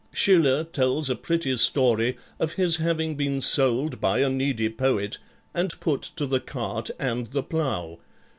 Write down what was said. Schiller tells a pretty story of his having been sold by a needy poet and put to the cart and the plough.